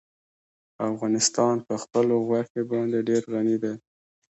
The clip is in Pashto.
افغانستان په خپلو غوښې باندې ډېر غني دی.